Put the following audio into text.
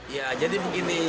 ya jadi begini